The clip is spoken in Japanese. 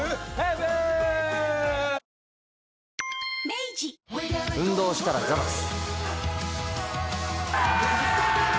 明治運動したらザバス。